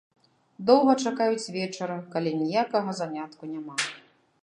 Доўга чакаюць вечара, калі ніякага занятку няма.